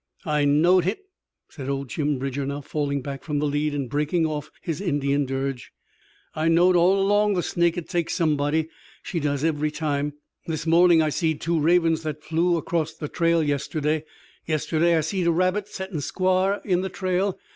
"I knowed hit!" said old Jim Bridger, now falling back from the lead and breaking oft' his Indian dirge. "I knowed all along the Snake'd take somebody she does every time. This mornin' I seed two ravens that flew acrost the trail ahead. Yesterday I seed a rabbit settin' squar' in the trail.